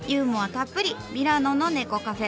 たっぷりミラノの猫カフェ。